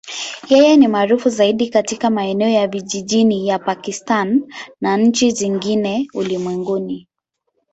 Yeye ni maarufu zaidi katika maeneo ya vijijini ya Pakistan na nchi zingine ulimwenguni.